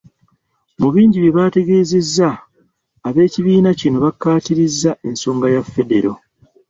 Mu bingi bye baategeezezza, ab'ekibiina kino baakaatirizza ensonga ya Federo.